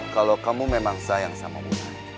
kalau kamu memang sayang sama mu